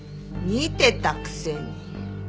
見てたくせに。